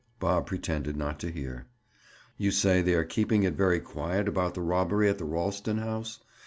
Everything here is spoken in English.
Bob pretended not to hear. "You say they are keeping it very quiet about the robbery at the Ralston house.